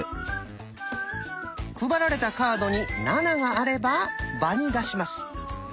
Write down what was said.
配られたカードに「７」があれば場に出します。